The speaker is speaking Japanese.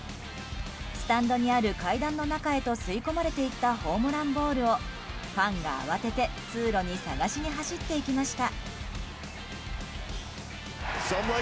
スタンドにある階段の中へと吸い込まれていったホームランボールをファンが慌てて通路に探しに走っていきました。